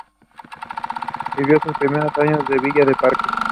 Vivió sus primeros años en Villa del Parque.